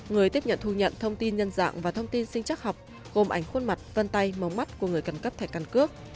người tiếp nhận thu nhận thông tin nhân dạng và thông tin sinh chắc học gồm ảnh khuôn mặt vân tay mống mắt của người cần cấp thẻ căn cước